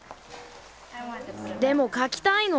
でも描きたいの。